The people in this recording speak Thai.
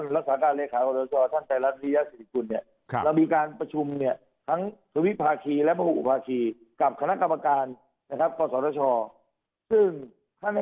ได้ครับคือตอนนี้ครับทางหัวสอร์ธชน์โดยท่านรัฐศาสตร์การเลยคารว่า